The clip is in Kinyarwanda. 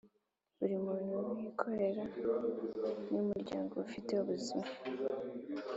buri muntu wikorera n umuryango ufite ubuzima